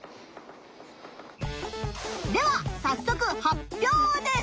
ではさっそく発表です！